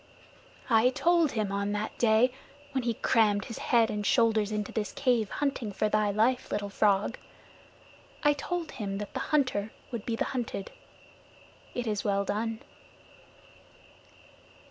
"I told him on that day, when he crammed his head and shoulders into this cave, hunting for thy life, Little Frog I told him that the hunter would be the hunted. It is well done."